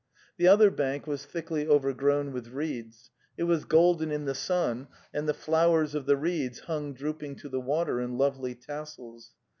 The other bank was thickly overgrown with reeds; it was golden in the sun, and the flowers of the reeds hung drooping to the water in lovely tassels.